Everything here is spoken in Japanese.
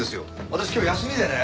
私今日休みでね